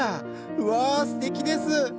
うわすてきです！